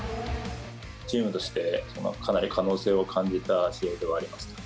チームとして、かなり可能性を感じた試合ではありました。